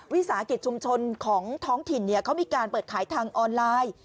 วิสาหกิจชุมชนของท้องถิ่นเขามีการเปิดขายทางออนไลน์